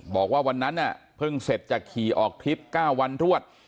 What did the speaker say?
บอกว่าวันนั้นเพิ่งเสร็จจากขี่ออกทริป๙วันรวด